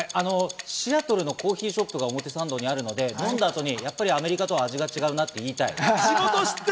シアトルのコーヒーショップが表参道にあるので、やっぱりアメリカとは違うなって言いたい。